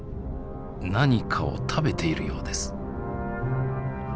何かを食べているようです。